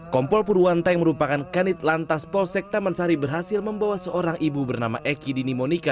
kompol purwanta yang merupakan kanit lantas polsek taman sari berhasil membawa seorang ibu bernama eki dini monika